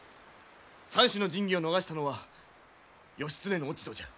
三種の神器を逃したのは義経の落ち度じゃ。